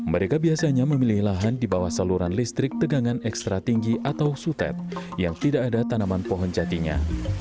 mereka biasanya memilih lahan di bawah saluran listrik tegangan ekstra tinggi atau sutet yang tidak ada tanaman pohon jatinya